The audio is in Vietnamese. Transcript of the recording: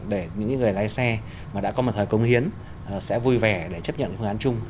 để những người lái xe mà đã có một thời công hiến sẽ vui vẻ để chấp nhận phương án chung